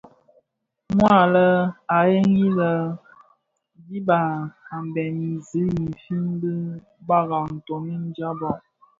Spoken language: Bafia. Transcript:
Mua a lè a gheri lè dhib a bhen i zi infin i bagha ntoňèn dhyaba.